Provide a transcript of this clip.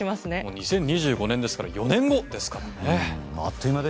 ２０２５年ですから４年後ですからね。